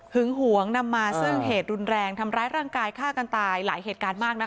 หวงนำมาซึ่งเหตุรุนแรงทำร้ายร่างกายฆ่ากันตายหลายเหตุการณ์มากนะคะ